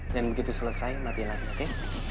dan begitu selesai matiin lagi oke